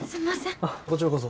あっこちらこそ。